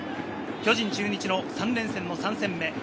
巨人対中日の３連戦の３戦目。